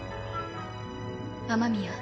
雨宮。